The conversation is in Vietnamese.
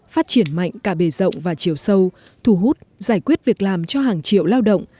phát triển mạnh cả bề rộng và chiều sâu thu hút giải quyết việc làm cho hàng triệu lao động